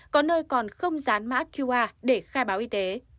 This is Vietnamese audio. có nơi còn không dán mã qr để khai báo y tế